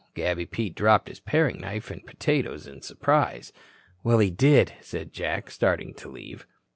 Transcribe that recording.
Gabby Pete dropped his paring knife and potatoes in surprise. "Well, he did," said Jack, starting to leave.